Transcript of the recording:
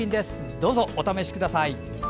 どうぞお試しください。